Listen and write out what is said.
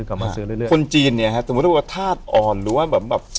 คนจีนถ้าอ่อนหรือว่าแบบ